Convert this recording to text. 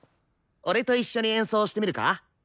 俺と一緒に演奏してみるか？